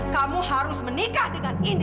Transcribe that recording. kamu harus menikah dengan ini